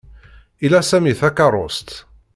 Ila Sami takeṛṛust.